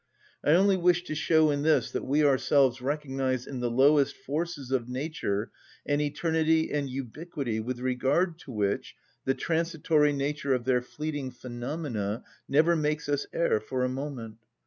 I only wished to show in this that we ourselves recognise in the lowest forces of nature an eternity and ubiquity with regard to which the transitory nature of their fleeting phenomena never makes us err for a moment.